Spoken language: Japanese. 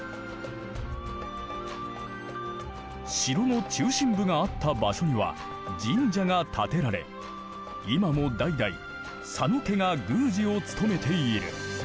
城の中心部があった場所には神社が建てられ今も代々佐野家が宮司を務めている。